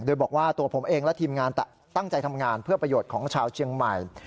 โดยบอกว่าตัวผมเองและทีมงานตั้งใจทำงานเพื่อประโยชน์ของชาวเชียงใหม่